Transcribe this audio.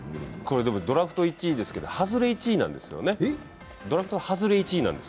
ドラフト１位ですけど、外れ１位なんですね。